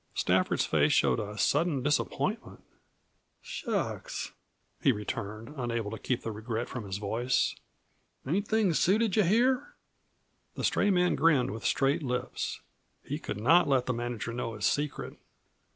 Stafford's face showed a sudden disappointment. "Shucks!" he returned, unable to keep the regret from his voice. "Ain't things suited you here?" The stray man grinned with straight lips. He could not let the manager know his secret.